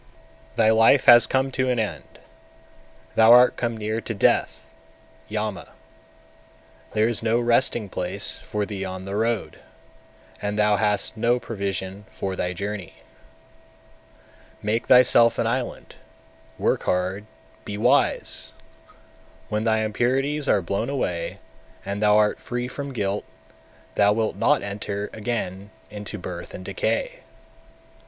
237. Thy life has come to an end, thou art come near to death (Yama), there is no resting place for thee on the road, and thou hast no provision for thy journey. 238. Make thyself an island, work hard, be wise! When thy impurities are blown away, and thou art free from guilt, thou wilt not enter again into birth and decay.